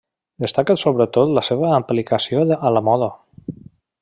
Destaca sobretot la seva aplicació a la moda.